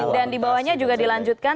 dan dibawahnya juga dilanjutkan